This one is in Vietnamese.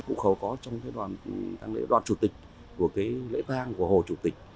cụ khẩu có trong cái đoàn chủ tịch của cái lễ thang của hồ chủ tịch